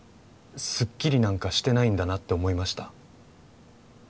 すっきりなんかしてないんだなって思いました